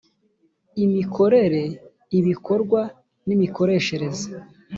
imikorere ibikorwa n imikoreshereze